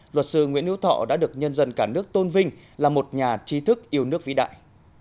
luật sư nguyễn hữu thọ đã được nhân dân cả nước tôn vinh là một nhà trí thức yêu nước vĩ đại